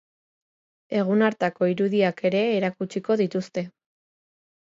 Egun hartako irudiak ere erakutsiko dituzte.